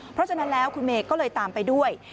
เพราะฉะนั้นแล้วคุณเมย์ก็เลยตามไปด้วย